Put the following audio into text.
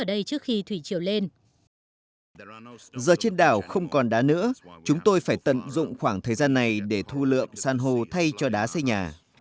quốc đảo không còn đá nữa chúng tôi phải tận dụng khoảng thời gian này để thu lượm san hô thay cho đá xây nhà